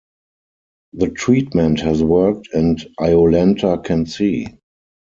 The treatment has worked and Iolanta can see.